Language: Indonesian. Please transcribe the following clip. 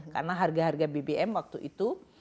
karena harga harga bbm waktu itu